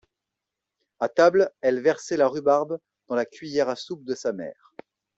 A table, elle versait la rhubarbe dans la cuiller à soupe de sa mère.